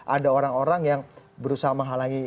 ada orang orang yang berusaha menghalangi